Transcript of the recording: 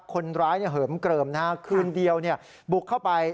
คนร้ายเหิมเกริมคืนเดียวบุกเข้าไป